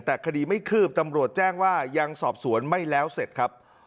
แต่คดีไม่คืบตำรวจแจ้งว่ายังสอบสวนไม่แล้วเสร็จครับ